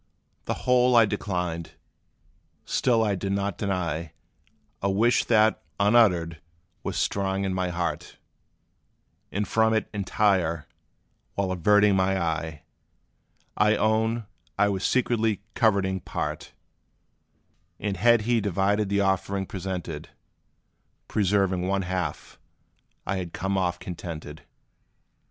The whole I declined; still I did not deny A wish that, unuttered, was strong in my heart; And from it entire, while averting my eye, I own I was secretly coveting part; And had he divided the offering presented, Preserving one half, I had come off contented.